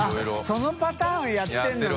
△そのパターンやってるのね。